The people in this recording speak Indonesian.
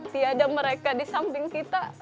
tiada mereka di samping kita